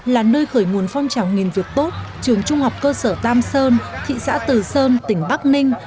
là nơi khởi nguồn phong trào nghìn việc tốt trường trung học cơ sở tam sơn thị xã từ sơn tỉnh bắc ninh